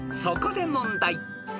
［そこで問題］